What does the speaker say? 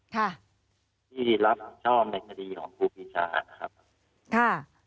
ที่รับชอบในคดีของครูปรีชานะครับ